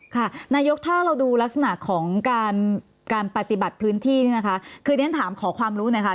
ค่ะนายกถ้าเราดูลักษณะของการปฏิบัติพื้นที่นะคะคือเนี่ยถามขอความรู้นะคะ